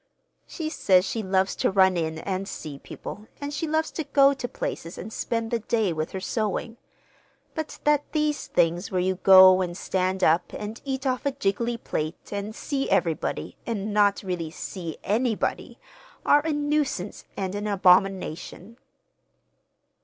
She says she loves to 'run in' and see people, and she loves to go to places and spend the day with her sewing; but that these things where you go and stand up and eat off a jiggly plate, and see everybody, and not really see anybody, are a nuisance and an abomination."